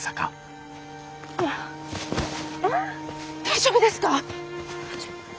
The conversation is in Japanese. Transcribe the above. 大丈夫ですか？